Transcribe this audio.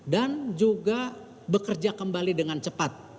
dan juga bekerja kembali dengan cepat